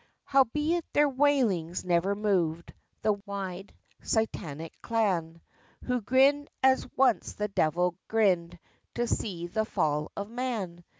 Howbeit their wailings never moved The wide Satanic clan, Who grinned, as once the Devil grinned, To see the fall of Man.